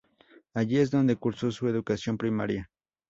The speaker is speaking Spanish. Allí es donde cursó su educación primaria.